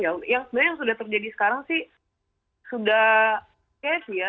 ya yang sebenarnya yang sudah terjadi sekarang sih sudah catch ya